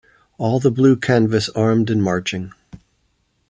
All the blue canvas armed and marching!